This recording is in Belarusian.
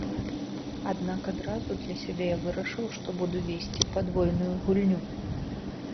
Аднак адразу для сябе я вырашыў, што буду весці падвойную гульню.